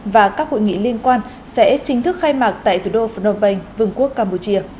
và các hội nghị liên quan sẽ chính thức khai mạc tại thủ đô phnom penh vương quốc campuchia